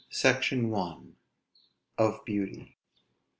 SECTION I. OF BEAUTY.